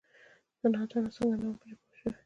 زه نادانه څنګه نه وم پرې پوه شوې؟!